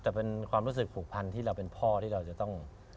แต่เป็นความรู้สึกผูกพันที่เราเป็นพ่อที่เราจะต้อง